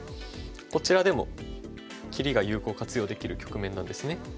こちらでも切りが有効活用できる局面なんですね。